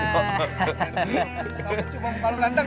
coba lo belan belan